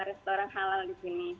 restoran halal di sini